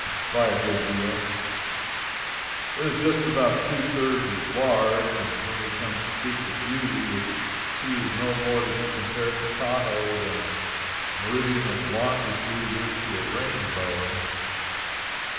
] by a good deal it is just about two thirds as large. And when we come to speak of beauty, this sea is no more to be compared to Tahoe than a meridian of longitude is to a rainbow.